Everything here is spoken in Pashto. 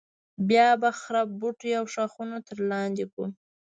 بیا به د خرپ بوټي او ښاخونه تر لاندې کړو.